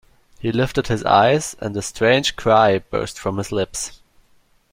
He lifted his eyes, and a strange cry burst from his lips.